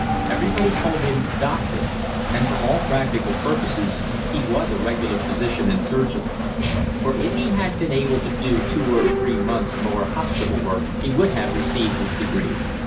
Everybody called him "Doctor," and for all practical purposes he was a regular physician and surgeon; for if he had been able to do two or three months' more hospital work he would have received his degree.